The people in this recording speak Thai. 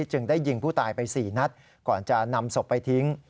จึงได้ยิงผู้ตายไป๔นัดก่อนจะนำศพไปทิ้ง